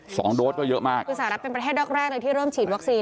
โดสก็เยอะมากคือสหรัฐเป็นประเทศแรกแรกเลยที่เริ่มฉีดวัคซีน